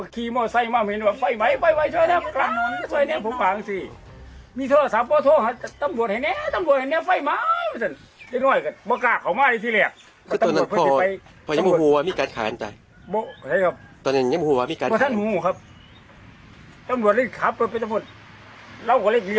ตำรวจให้ขับไปที่หมดเราก็เลยเอารถไปขับมาตำรวจแล้วเรามารักษาการอยู่นี่